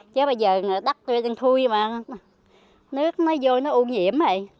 chứ bây giờ đất tôi đang thui mà nước nó vô nó ô nhiễm vậy